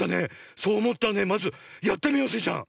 そうおもったらねまずやってみようスイちゃん！